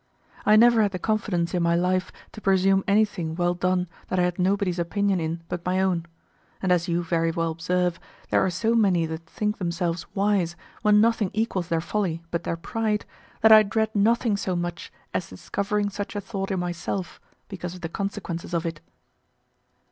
I never had the confidence in my life to presume anything well done that I had nobody's opinion in but my own; and as you very well observe, there are so many that think themselves wise when nothing equals their folly but their pride, that I dread nothing so much as discovering such a thought in myself because of the consequences of it.